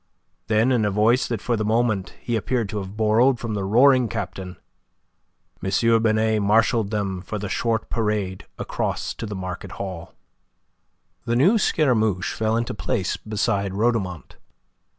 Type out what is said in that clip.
Then in a voice that for the moment he appeared to have borrowed from the roaring captain, M. Binet marshalled them for the short parade across to the market hall. The new Scaramouche fell into place beside Rhodomont.